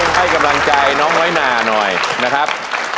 ให้กำลังใจน้องน้อยนาหน่อยนะครับ